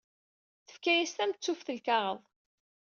Tefka-yas tamettuft n lkaɣeḍ.